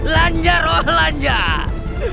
lanjar oh lanjar